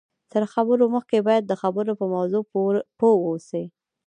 تر خبرو مخکې باید د خبرو په موضوع پوه واوسئ